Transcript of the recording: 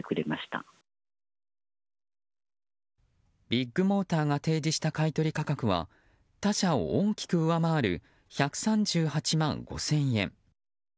ビッグモーターが提示した買い取り価格は他社を大きく上回る１３８万５０００円。